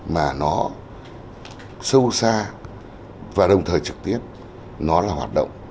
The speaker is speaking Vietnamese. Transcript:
mà nó sâu xa và đồng thời trực tiếp nó là hoạt động